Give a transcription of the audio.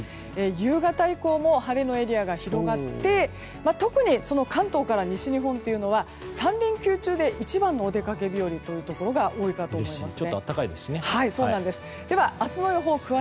夕方以降も晴れのエリアが広がって特に関東から西日本というのは３連休中で一番のお出かけ日和というところが多いかと思います。